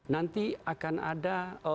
nanti akan ada